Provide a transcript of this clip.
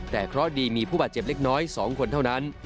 แต่เคราะห์ดีมีผู้บาดเจ็บเล็กน้อย๒คนเท่านั้น